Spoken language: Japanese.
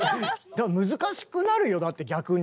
難しくなるよだって逆に。